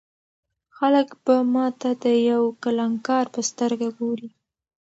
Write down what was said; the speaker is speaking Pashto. خلک به ما ته د یو کلانکار په سترګه ګوري.